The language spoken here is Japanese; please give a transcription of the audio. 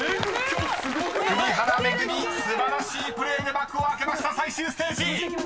今日すごくない⁉［栗原恵素晴らしいプレーで幕を開けました最終ステージ！］